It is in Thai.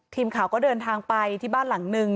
ทีมข่าวก็เดินทางไปที่บ้านหลังนึง